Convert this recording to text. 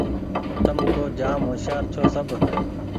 تم تو جآم هوشيآر ڇوٚنٚ سب